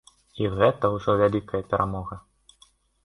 І гэта ўжо вялікая перамога!